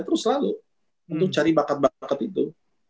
terus selalu untuk cari bakat bakat itu